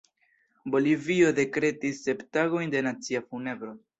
Bolivio dekretis sep tagojn de nacia funebro.